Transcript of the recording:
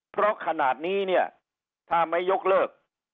เพราะขนาดนี้เนี่ยถ้าไม่ยกเลิก